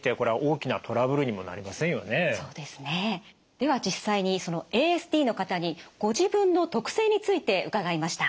では実際にＡＳＤの方にご自分の特性について伺いました。